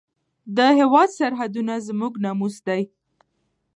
د هېواد سرحدونه زموږ ناموس دی.